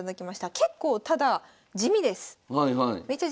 結構ただ地味です。